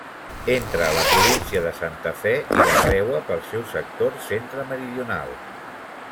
Entra a la província de Santa Fe i la creua pel seu sector centre-meridional.